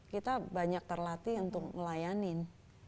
kita banyak terlatih untuk melayani